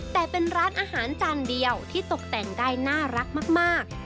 แต่เป็นร้านอาหารจานเดียวที่ตกแต่งได้น่ารักมาก